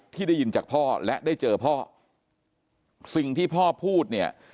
ที่ได้ยินจากพ่อและได้เจอพ่อสิ่งที่พ่อพูดเนี่ย